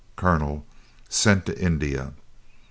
Colonel. Sent to India.